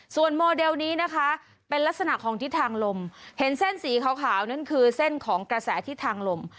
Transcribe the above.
ส่วนโมเดลนี้นะคะเป็นลักษณะของทิศทางลมเห็นเส้นสีขาวนั่นคือเส้นของกระแสที่ทางลม